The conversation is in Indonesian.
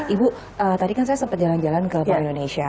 ibu tadi kan saya sempat jalan jalan ke indonesia